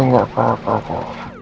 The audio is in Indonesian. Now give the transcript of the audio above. itu nggak apa apa dari mana mas